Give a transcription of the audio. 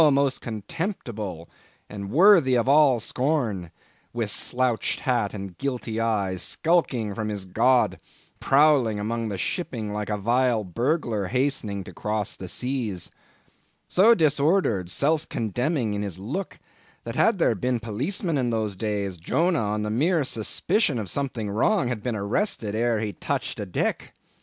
most contemptible and worthy of all scorn; with slouched hat and guilty eye, skulking from his God; prowling among the shipping like a vile burglar hastening to cross the seas. So disordered, self condemning is his look, that had there been policemen in those days, Jonah, on the mere suspicion of something wrong, had been arrested ere he touched a deck.